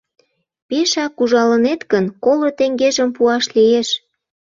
Пешак ужалынет гын, коло теҥгежым пуаш лиеш.